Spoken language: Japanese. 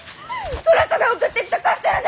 そなたが送ってきたカステラじゃろうが！